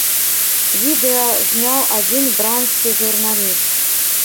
Відэа зняў адзін бранскі журналіст.